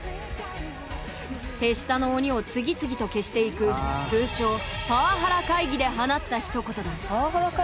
手下の鬼を次々と消していく通称「パワハラ会議」で放ったひと言だ